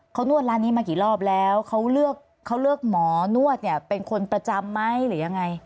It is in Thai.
เขานวดร้านนี้มากี่รอบแล้วเขาเลือกหมอนวดเป็นคนประจำไหมหรือยังไง